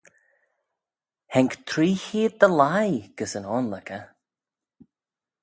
Haink tree cheead dy leih gys yn oanluckey.